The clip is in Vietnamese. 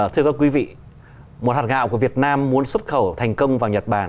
thưa các quý vị một hạt gạo của việt nam muốn xuất khẩu thành công vào nhật bản